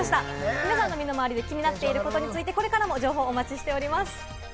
皆さんの身の回りで気になっていること、これからも情報、お待ちしています。